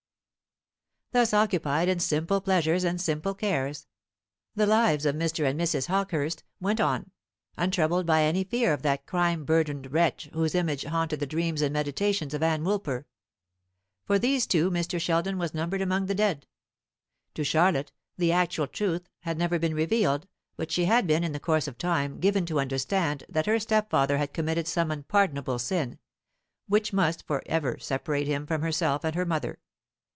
Thus occupied in simple pleasures and simple cares, the lives of Mr. and Mrs. Hawkehurst went on, untroubled by any fear of that crime burdened wretch whose image haunted the dreams and meditations of Ann Woolper. For these two Mr. Sheldon was numbered among the dead. To Charlotte the actual truth had never been revealed; but she had been, in the course of time, given to understand that her stepfather had committed some unpardonable sin, which must for ever separate him from herself and her mother.